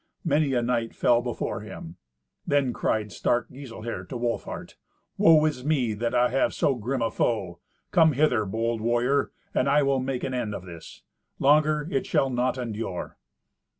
Many a knight fell before him. Then cried stark Giselher to Wolfhart, "Woe is me, that I have so grim a foe! Come hither, bold warrior, and I will make an end of this. Longer it shall not endure."